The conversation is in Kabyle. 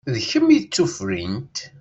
D kemm i d tufrint.